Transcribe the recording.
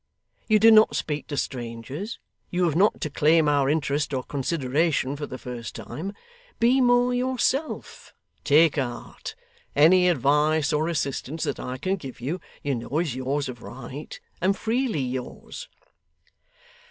You do not speak to strangers. You have not to claim our interest or consideration for the first time. Be more yourself. Take heart. Any advice or assistance that I can give you, you know is yours of right, and freely yours.